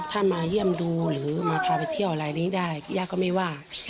ถ้ามาเยี่ยมดูหรือมาพาไปเที่ยวอะไรนี้ได้ย่าก็ไม่ว่า